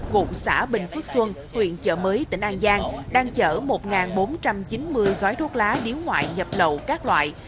gụng xã bình phước xuân huyện chợ mới tỉnh an giang đang chở một bốn trăm chín mươi gói thuốc lá điếu ngoại nhập lậu các loại